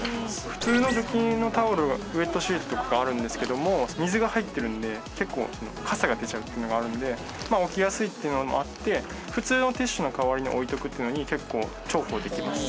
普通の除菌のタオルウェットシートとかがあるんですけども水が入ってるので結構かさが出ちゃうというのがあるので置きやすいというのもあって普通のティッシュの代わりに置いておくっていうのに結構重宝できます。